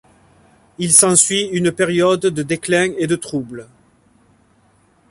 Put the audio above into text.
Il s'ensuit une période de déclin et de troubles.